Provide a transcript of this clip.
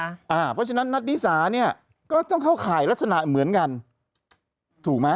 เพราะฉะนั้นนักนิสาเนี่ยก็ต้องเข้าข่ายลักษณะเหมือนกันถูกไหม